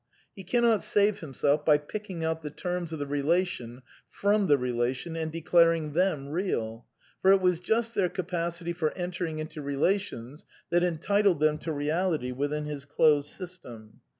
He cannot save himself by picking out the terms of the relation from the relation and declaring them real ; for it was just their capacity for entering into rela tions that entitled them to reality within his closed sys tem.